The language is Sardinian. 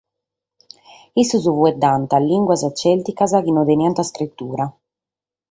Issos faeddaiant limbas tzèlticas chi non teniant iscritura.